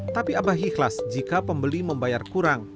tapi abah ikhlas jika pembeli membayar kurang